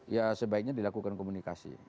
ya sebaiknya dilakukan komunikasi